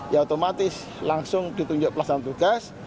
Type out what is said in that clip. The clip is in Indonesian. ya otomatis langsung ditunjuk pelaksanaan tugas